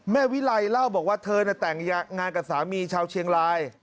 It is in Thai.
วิไลเล่าบอกว่าเธอแต่งงานกับสามีชาวเชียงราย